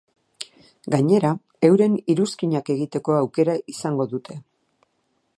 Gainera, euren iruzkinak egiteko aukera izango dute.